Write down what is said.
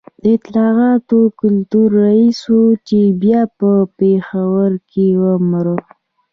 د اطلاعاتو کلتور رئیس و چي بیا په پېښور کي ومړ